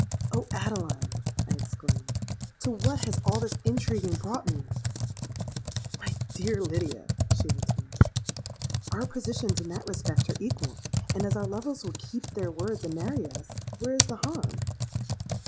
'Oh! Adeline,' I exclaimed, 'to what has all this intriguing brought me?'—'My dear Lydia,' she returned, 'our positions in that respect are equal; and, as our lovers will keep their words and marry us, where is the harm?'